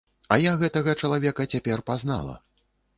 А я гэтага чалавека цяпер пазнала.